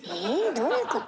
どういうこと？